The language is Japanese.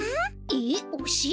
えっおしろ？